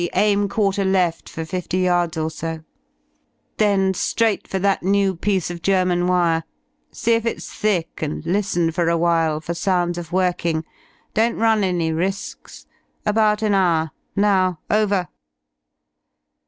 Aim quarter left for fifty yards or so, 8l G2 Then Straight for that new piece of German wire; See ififs thick, and liSienfor a while For sounds of working; don^t run any risks; j4bout an hour; now, over!"